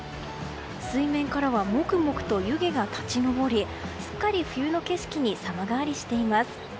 水面からはモクモクと湯気が立ち上り、すっかり冬の景色に様変わりしています。